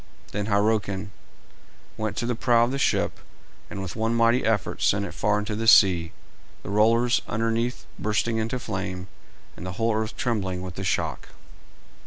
Then Hyrroken went to the prow of the ship and with one mighty effort sent it far into the sea, the rollers underneath bursting into flame, and the whole earth trembling with the shock.